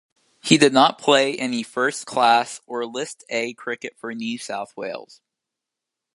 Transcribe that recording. He did not play any first-class or List A cricket for New South Wales.